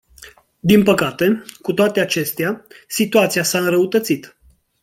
Din păcate, cu toate acestea, situația s-a înrăutățit.